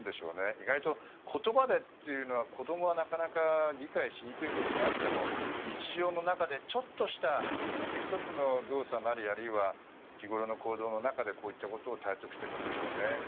意外と言葉でって子供は理解しにくい部分があっても日常の中でちょっとした１つ１つの動作なりあるいは日ごろの行動の中でこういうことを体得していくんでしょうね。